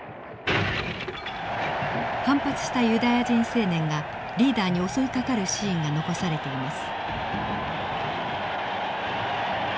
反発したユダヤ人青年がリーダーに襲いかかるシーンが残されています。